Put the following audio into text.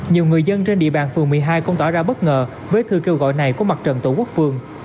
nhiều người dân trên địa bàn phường một mươi hai cũng tỏ ra bất ngờ với thư kêu gọi này của mặt trận tổ quốc phường